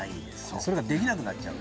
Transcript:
それができなくなっちゃう。